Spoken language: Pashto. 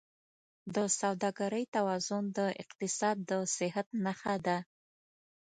د سوداګرۍ توازن د اقتصاد د صحت نښه ده.